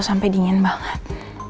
sampai dingin banget